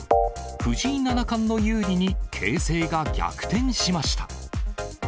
藤井七冠の有利に形勢が逆転しました。